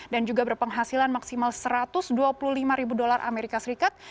dan juga berpenghasilan maksimal satu ratus dua puluh lima ribu dolar amerika serikat